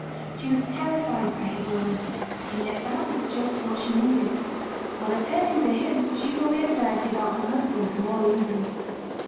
She was terrified by his illness, and yet that was just what she needed. While attending to him she bore the anxiety about her husband more easily.